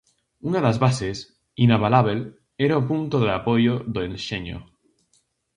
Unha das bases, inabalábel, era o punto de apoio do enxeño.